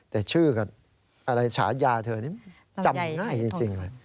แต่ชื่อกับอะไรฉายาเธอนี่จำง่ายจริงเลย